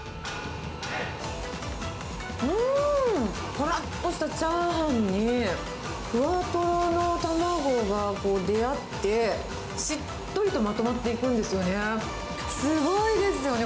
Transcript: ぱらっとしたチャーハンに、ふわとろの卵が出会って、しっとりとまとまっていくんですよね。